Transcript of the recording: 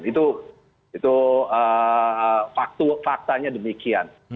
itu faktanya demikian